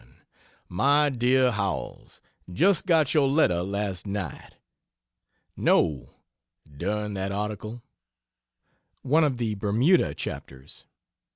MY DEAR HOWELLS, Just got your letter last night. No, dern that article, [One of the Bermuda chapters.